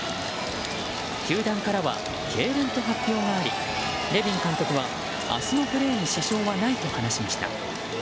球団からはけいれんと発表がありネビン監督は明日のプレーに支障はないと話しました。